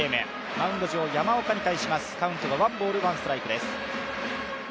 マウンド上、山岡に対するカウントがワンボールワンストライクです。